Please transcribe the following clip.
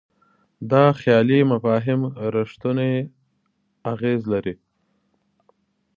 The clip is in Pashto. دا خیالي مفاهیم رښتونی اغېز لري.